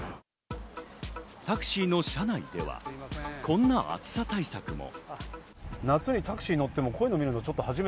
タクシーの車内ではこんな暑さ対策も。